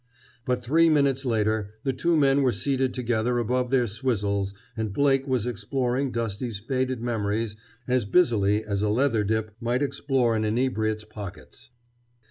But three minutes later the two men were seated together above their "swizzles" and Blake was exploring Dusty's faded memories as busily as a leather dip might explore an inebriate's pockets.